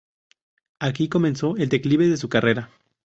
Aquí comenzó el declive de su carrera.